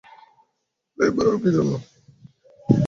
পলাইয়া বেড়াও কী জন্য।